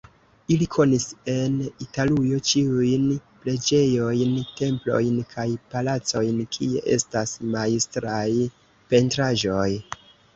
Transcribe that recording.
Ili konis en Italujo ĉiujn preĝejojn, templojn kaj palacojn, kie estas majstraj pentraĵoj.